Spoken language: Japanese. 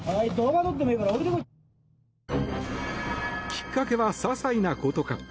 きっかけは些細なことか。